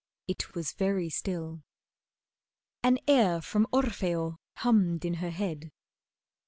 It was very still. An air from 'Orfeo' hummed in her head.